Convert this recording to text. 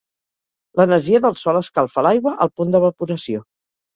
L'energia del Sol escalfa l'aigua al punt d'evaporació.